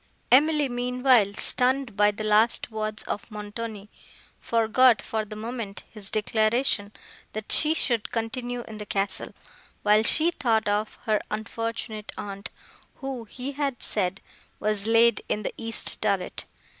Emily, meanwhile, stunned by the last words of Montoni, forgot, for the moment, his declaration, that she should continue in the castle, while she thought of her unfortunate aunt, who, he had said, was laid in the east turret.